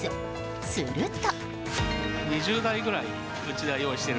すると。